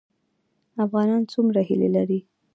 افغانان څومره هیلې لري؟